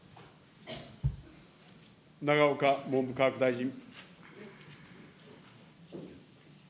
永岡文部科学大臣。